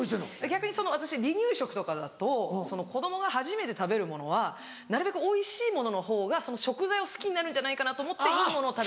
逆に私離乳食とかだと子供が初めて食べるものはなるべくおいしいもののほうがその食材を好きになるんじゃないかなと思っていいものを。